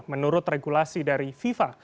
menurut regulasi dari fifa